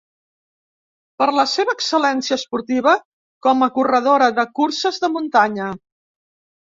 Per la seva excel·lència esportiva com a corredora de curses de muntanya.